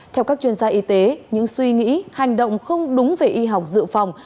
theo các chuyên gia y tế những suy nghĩ hành động không đúng về y học dự phòng